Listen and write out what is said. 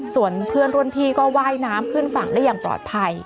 ส่วนเพื่อนรุ่นพี่ก็ว่ายน้ำขึ้นฝั่งได้อย่างปลอดภัย